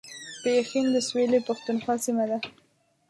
پښین د سویلي پښتونخوا سیمه ده